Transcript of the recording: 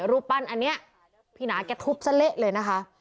รูปปั้นอันนี้พี่หนาแกทุบซะเละเลยนะคะ